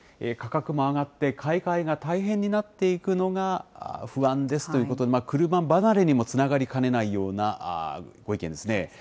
価格も上がって買い替えが大変になっていくのが不安ですということで、車離れにもつながりかねないようなご意見ですね。